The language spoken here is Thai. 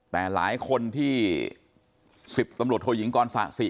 แต่หลายคนที่๑๐ตำรวจโทยิงกรสะสิ